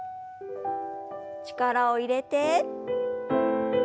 力を入れて。